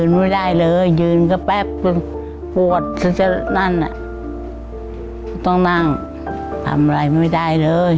มันโปรดค่ะค่ะค่ะยืนไม่ได้เลย